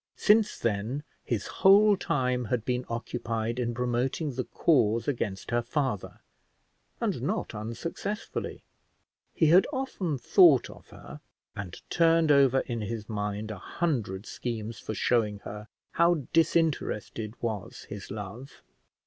Since then his whole time had been occupied in promoting the cause against her father, and not unsuccessfully. He had often thought of her, and turned over in his mind a hundred schemes for showing her how disinterested was his love.